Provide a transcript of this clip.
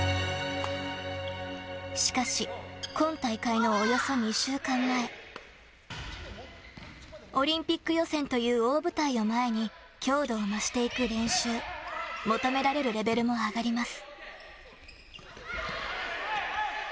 しかし、今大会のおよそ２週間前オリンピック予選という大舞台を前に強度を増していく練習。求められるレベルも上がります。